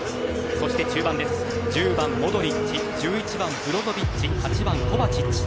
そして中盤１０番、モドリッチ１１番、ブロゾヴィッチ８番、コバチッチ。